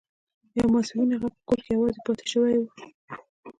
یو ماسپښین هغه په کور کې یوازې پاتې شوی و